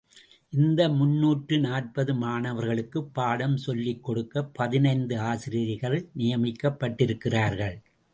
இந்த முன்னூற்று நாற்பது மாணவர்களுக்குப் பாடம் சொல்லிக் கொடுக்க பதினைந்து ஆசிரியர்கள் நியமிக்கப்பட்டிருக்கிறார்கள்.